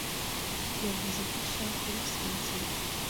yavuze ko ashaka gusinzira.